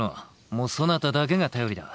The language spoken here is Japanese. もうそなただけが頼りだ。